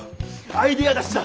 アイデア出しだ。